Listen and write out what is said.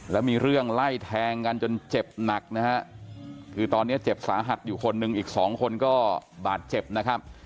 แล้วมีเรื่องไล่แทงกันจนเจ็บหนักนะฮะคือตอนนี้เจ็บสาหัสอยู่คนหนึ่งอีกสองคนก็บาดเจ็บนะครับ